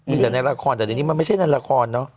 มีแต่ในละครแต่เดี๋ยวนี้มันไม่ใช่ในละครเนอะ